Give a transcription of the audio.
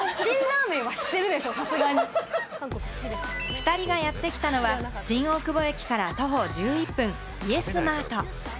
２人がやってきたのは新大久保駅から徒歩１１分、イェスマート。